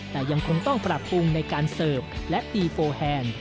แต่ยังคงต้องปรับปรุงในการเสิร์ฟและตีโฟแฮนด์